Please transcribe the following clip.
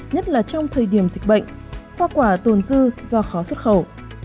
nhất là trong thời điểm dịch bệnh hoa quả tồn dư do khó xuất khẩu